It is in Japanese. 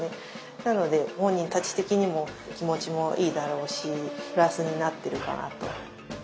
なので本人たち的にも気持ちもいいだろうしプラスになっているかなと。